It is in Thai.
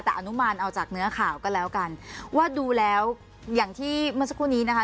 แต่อนุมานเอาจากเนื้อข่าวก็แล้วกันว่าดูแล้วอย่างที่เมื่อสักครู่นี้นะคะ